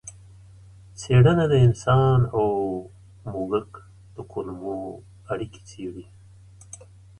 څېړنه د انسان او موږک د کولمو اړیکې څېړي.